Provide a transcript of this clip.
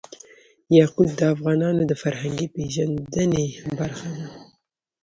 یاقوت د افغانانو د فرهنګي پیژندنې برخه ده.